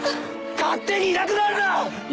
勝手にいなくなるな！